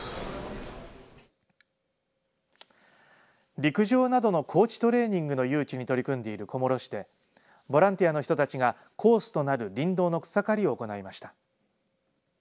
陸上などの高地トレーニングの誘致に取り組んでいる小諸市でボランティアの人たちがコースとなる林道の草刈りを行いました。